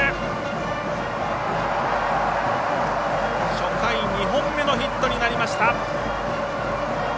初回２本目のヒットになりました。